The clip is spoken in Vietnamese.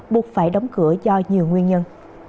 buộc phải đóng cửa do nhiều nguyên nhân